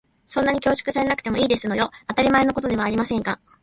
そんなに恐縮されなくてもいいんですのよ。当たり前のことではありませんか。